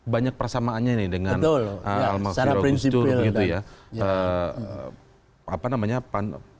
banyak persamaannya ini dengan almarfurullah gus dur